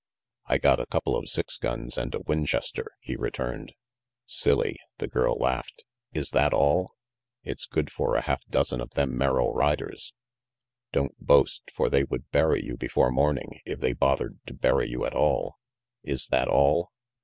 "I got a couple of six guns and a Winchester," he returned. "Silly," the girl laughed. "Is that all?" "It's good for a half dozen of them Merrill riders." "Don't boast, for they would bury you before morning, if they bothered to bury you at all. Is that all?"